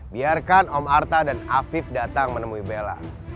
biarkan om artha dan afif datang menemui bella